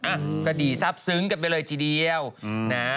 อ่ะก็ดีซับซึ้งกันไปเลยทีเดียวนะ